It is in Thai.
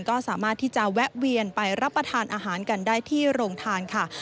ก็สามารถที่จะแวะเวียนไปรับประทานอาหารกันได้ที่โรงทานค่ะ